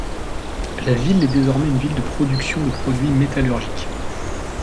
La ville est désormais une ville de production de produits métallurgiques.